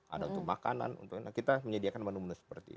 ada untuk makanan untuk kita menyediakan menu menu seperti itu